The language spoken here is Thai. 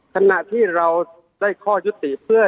ขณะที่เราได้ข้อยุติเพื่อ